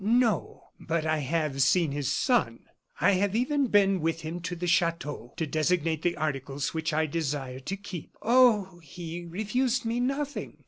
"No; but I have seen his son. I have even been with him to the chateau to designate the articles which I desire to keep. Oh! he refused me nothing.